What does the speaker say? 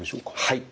はい。